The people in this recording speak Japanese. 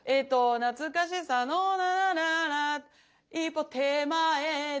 「懐かしさの一歩手前で」